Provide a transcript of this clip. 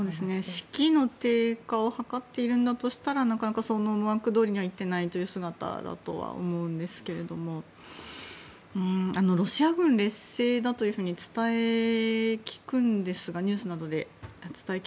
士気の低下を図っているんだとしたらなかなかその思惑どおりにはいっていないという姿だと思うんですがロシア軍、劣勢だと伝え聞くんですがニュースなどで。